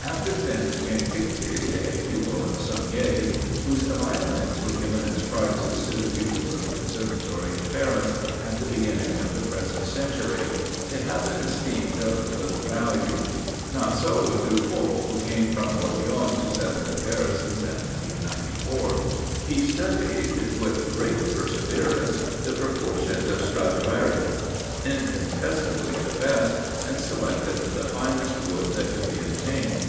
After Finth came Picte, a pupil of Saunier, whose Violins were given as prizes to the pupils of the Conservatory of Paris, at the beginning of the present century; they have been esteemed of little value. Not so with Lupot, who came from Orleans to settle in Paris in 1794. He studied, with great perseverance, the proportions of Stradiuari, incontestably the best, and selected the finest wood that could be obtained.